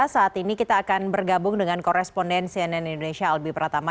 saat ini kita akan bergabung dengan koresponden cnn indonesia albi pratama